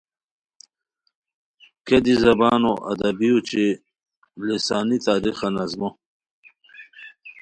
کیہ دی زبانو ادبی اوچے لسانی تاریخہ نظمو